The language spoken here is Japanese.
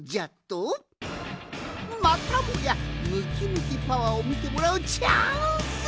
またもやムキムキパワーをみてもらうチャンス！